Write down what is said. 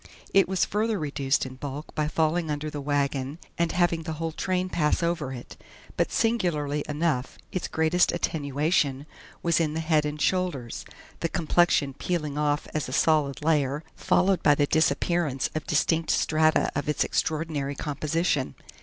It was further reduced in bulk by falling under the wagon and having the whole train pass over it, but singularly enough its greatest attenuation was in the head and shoulders the complexion peeling off as a solid layer, followed by the disappearance of distinct strata of its extraordinary composition.